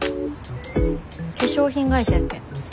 化粧品会社やっけ？